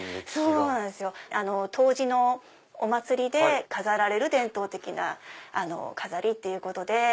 冬至のお祭りで飾られる伝統的な飾りっていうことで。